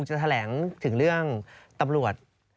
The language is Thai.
จะแถลงถึงเรื่องตำรวจ